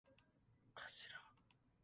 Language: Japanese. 頭